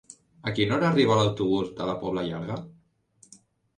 A quina hora arriba l'autobús de la Pobla Llarga?